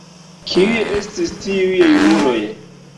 Kiuj estis tiuj junuloj?